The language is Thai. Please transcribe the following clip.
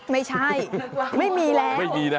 ไม่ใช่ไม่มีแล้ว